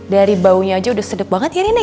dari baunya aja udah sedep banget ya nenek